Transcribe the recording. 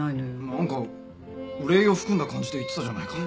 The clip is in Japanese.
何か憂いを含んだ感じで言ってたじゃないか。